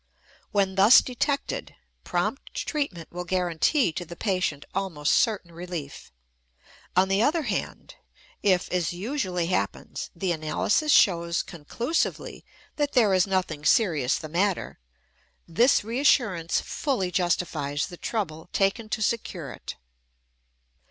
When thus detected, prompt treatment will guarantee to the patient almost certain relief. On the other hand if, as usually happens, the analysis shows conclusively that there is nothing serious the matter, this reassurance fully justifies the trouble taken to secure it.